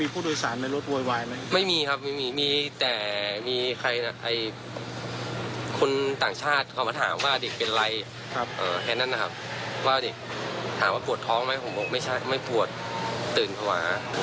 เพราะว่าคือเสียงรู้สึกพูดไม่ออกเลยค่ะ